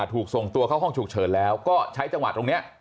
ถูกส่งตัวเข้าห้องฉุกเฉินแล้วก็ใช้จังหวะตรงนี้